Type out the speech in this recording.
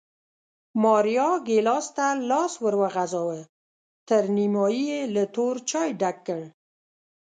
ماریا ګېلاس ته لاس ور وغځاوه، تر نیمایي یې له تور چای ډک کړ